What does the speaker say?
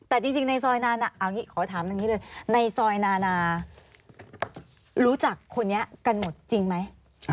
แต่จริงในซอยนั้นเอาอย่างนี้ขอถามอย่างนี้เลยในซอยนานารู้จักคนนี้กันหมดจริงไหม